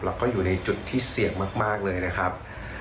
แล้วก็อยู่ในจุดที่เสี่ยงมากเลยนะครับ